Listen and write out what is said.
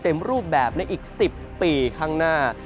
เต็มรูปแบบในอีก๑๐ปีข้างหน้า